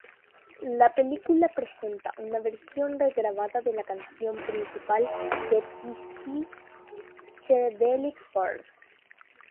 La película presenta una versión regrabada de la canción principal de The Psychedelic Furs.